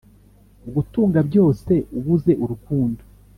gutunga byose ubuze urukundo